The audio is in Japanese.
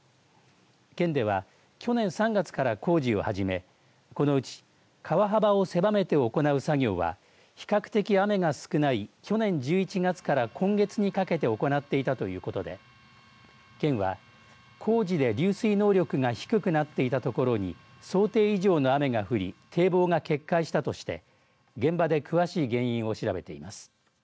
県では去年３月から工事を始めこのうち川幅を狭めて行う作業は比較的雨が少ない去年１１月から今月にかけて行っていたということで県は工事で流水能力が低くなっていたところに想定以上の雨が降り堤防が決壊したとして現場で詳しい原因を調べています。